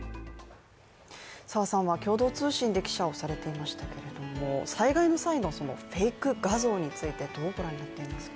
澤さんは共同通信で記者をされていましたけれども、災害の際のフェイク画像についてどうご覧になっていますか？